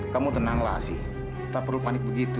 kamu tenanglah sih tak perlu panik begitu